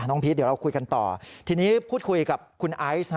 พีชเดี๋ยวเราคุยกันต่อทีนี้พูดคุยกับคุณไอซ์